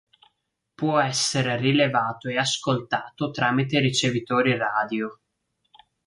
Può essere rilevato e ascoltato tramite ricevitori radio.